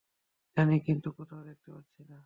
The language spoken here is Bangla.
জানি, কিন্তু কোথাও দেখতে পাচ্ছি না।